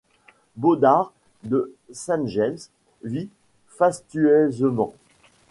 Baudard de Sainte-James vit fastueusement.